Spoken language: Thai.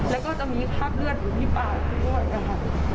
แล้วก็จะมีภาพเลือดอยู่ที่ป่าดด้วยนะครับ